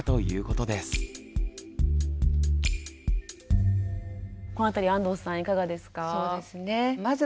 このあたり安藤さんいかがですか？